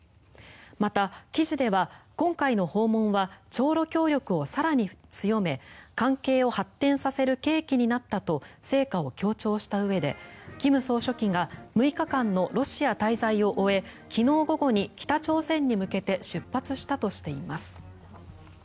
また記事では、今回の訪問は朝ロ協力を更に強め関係を発展させる契機になったと成果を強調したうえで金総書記が６日間のロシア滞在を終え昨日午後に北朝鮮に向けて出発したとしています。